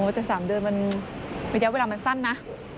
แต่๓เดือนไม่ได้เวลามันสั้นนะ